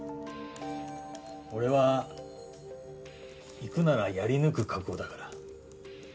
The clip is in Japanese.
俺は、行くならやりぬく覚悟だから。